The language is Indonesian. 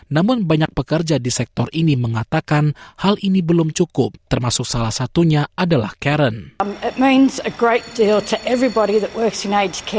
namun banyak pekerja di sektor ini mengatakan hal ini belum cukup termasuk salah satunya adalah karen